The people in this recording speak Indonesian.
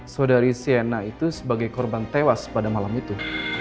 saudari siena itu sebagai korban tewas pada malam itu